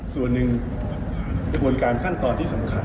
ส่วนหนึ่งกระบวนการขั้นตอนที่สำคัญ